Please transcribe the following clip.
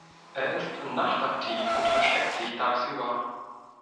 Er ist nachtaktiv und versteckt sich tagsüber.